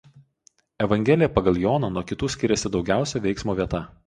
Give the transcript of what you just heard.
Evangelija pagal Joną nuo kitų skiriasi daugiausia veiksmo vieta.